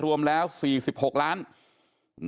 รวมแล้ว๔๖ล้าน